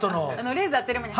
レーザー当てる前に。